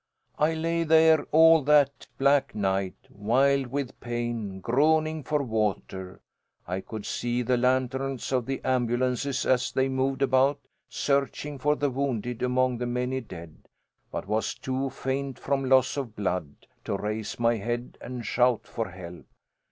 I lay there all that black night, wild with pain, groaning for water. I could see the lanterns of the ambulances as they moved about searching for the wounded among the many dead, but was too faint from loss of blood to raise my head and shout for help.